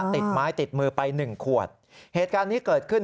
ติดไม้ติดมือไปหนึ่งขวดเหตุการณ์นี้เกิดขึ้น